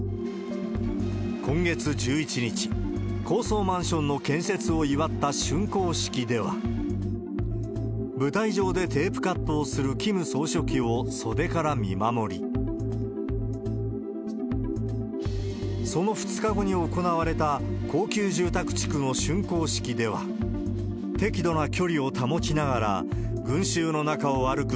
今月１１日、高層マンションの建設を祝ったしゅんこう式では、舞台上でテープカットをするキム総書記を袖から見守り、その２日後に行われた高級住宅地区のしゅんこう式では、適度な距離を保ちながら、群衆の中を歩く